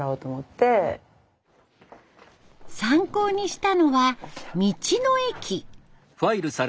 参考にしたのは道の駅。